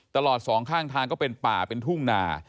ตลอดสองข้างทางก็เป็นป่าเป็นทุ่งนา